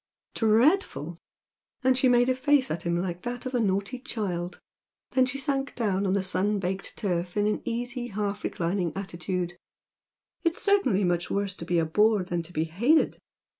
"Dreadful!" and she made a face at him like that of a naughty child, then she sank down on the sun baked turf in an easy half reclining attitude "It's certainly much worse to be a bore than to be hated.